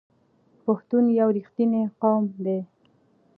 پښتون یو رښتینی قوم دی.